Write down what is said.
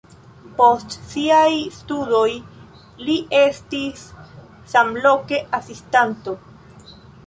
Post siaj studoj li estis samloke asistanto.